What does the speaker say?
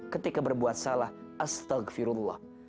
ketika berbuat salah astagfirullah